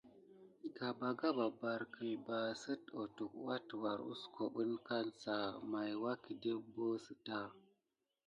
Gabaga ɓɑɓɑrɑ kelba site ototuhe nà wature kusuhobi kasa maylni wukedé hubosita.